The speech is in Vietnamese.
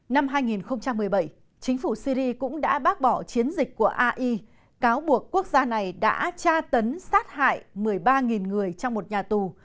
năm hai nghìn một mươi bảy chính phủ syri cũng đã bác bỏ chiến dịch của ai cáo buộc quốc gia này đã tra tấn sát hại một mươi ba người trong một nhà tù